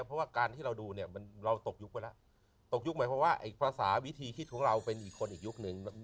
เพราะว่าการที่เราดูเนี่ยเราตกยุคไปแล้วตกยุคหมายความว่าไอ้ภาษาวิธีคิดของเราเป็นอีกคนอีกยุคนึง